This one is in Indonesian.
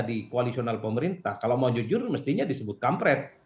di koalisional pemerintah kalau mau jujur mestinya disebut kampret